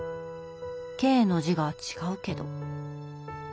「系」の字が違うけど。